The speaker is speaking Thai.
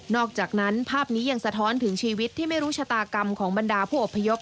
อกจากนั้นภาพนี้ยังสะท้อนถึงชีวิตที่ไม่รู้ชะตากรรมของบรรดาผู้อพยพ